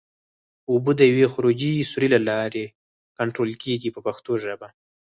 اوبه د یوې خروجي سوري له لارې کنټرول کېږي په پښتو ژبه.